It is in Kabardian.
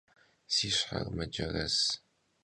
Si şher mecerez.